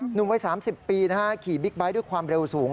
หนุ่มวัย๓๐ปีขี่บิ๊กไบท์ด้วยความเร็วสูง